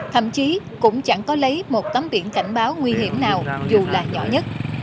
thậm chí cũng chẳng có lấy một tấm biển cảnh báo nguy hiểm nào dù là nhỏ nhất